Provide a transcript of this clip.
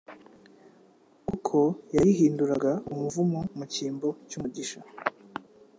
kuko yayihinduraga umuvumo mu cyimbo cy'umugisha.